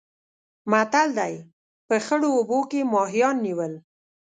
متل دی: په خړو اوبو کې ماهیان نیول.